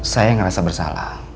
saya ngerasa bersalah